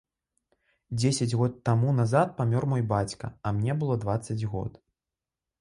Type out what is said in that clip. Дзесяць год таму назад памёр мой бацька, а мне было дваццаць год.